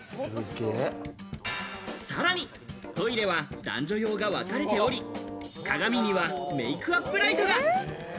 さらにトイレは男女用がわかれており、鏡にはメイクアップライトが。